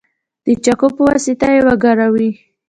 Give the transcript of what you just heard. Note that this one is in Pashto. د چاقو په واسطه یې وګروئ.